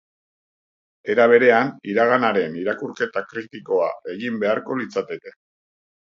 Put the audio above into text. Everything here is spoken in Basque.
Era berean, iraganaren irakurketa kritikoa egin beharko litzateke.